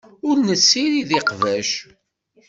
Ur nessirid iqbac.